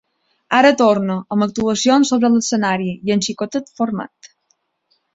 Ara torna, amb actuacions sobre l’escenari, i en xicotet format.